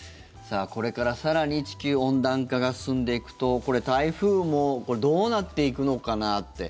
これから更に地球温暖化が進んでいくとこれ、台風もどうなっていくのかなって。